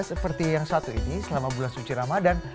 seperti yang satu ini selama bulan suci ramadan